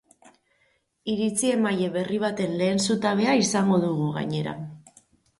Iritzi-emaile berri baten lehen zutabea izango dugu, gainera.